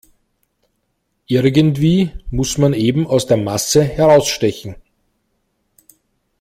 Irgendwie muss man eben aus der Masse herausstechen.